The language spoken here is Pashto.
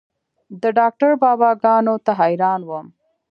د ډاکتر بابا ګانو ته حيران وم.